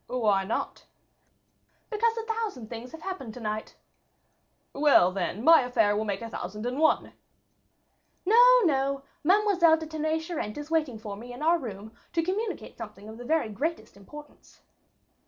"Why not?" "Because a thousand things have happened to night." "Well, then, my affair will make a thousand and one." "No, no; Mademoiselle de Tonnay Charente is waiting for me in our room to communicate something of the very greatest importance."